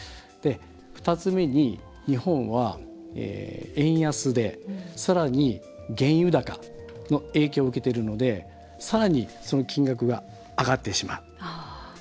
２つ目に日本は円安でさらに原油高の影響を受けているのでさらにその金額が上がってしまう。